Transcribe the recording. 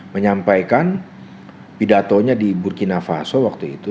menyampaikan pidatonya di burkina faso waktu itu